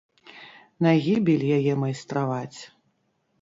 На гібель яе майстраваць.